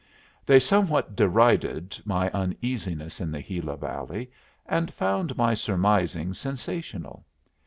They somewhat derided my uneasiness in the Gila Valley, and found my surmisings sensational.